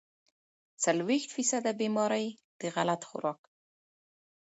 څلوېښت فيصده بيمارۍ د غلط خوراک